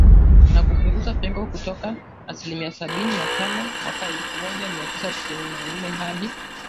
na kupunguza pengo kutoka asilimia sabini na tano mwaka elfu moja mia tisa tisini na nne hadi